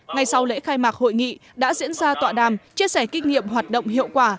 ngay sau lễ khai mạc hội nghị đã diễn ra tọa đàm chia sẻ kinh nghiệm hoạt động hiệu quả